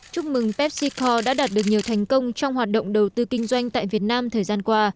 chúc mừng pepsico đã đạt được nhiều thành công trong hoạt động đầu tư kinh doanh tại việt nam thời gian qua